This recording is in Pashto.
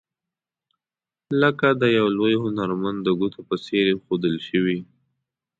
لکه د یو لوی هنرمند د ګوتو په څیر ایښودل شوي.